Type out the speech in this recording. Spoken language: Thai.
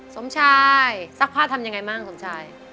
สมชายซักผ้าทำยังไงบ้างสมชาย